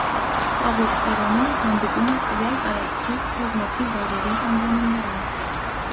Տավուշ տեղանունը հանդիպում է տվյալ տարածքի բազմաթիվ վայրերի անվանումներում։